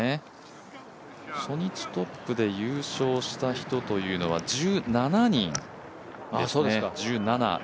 初日トップで優勝した人は１７人ですね。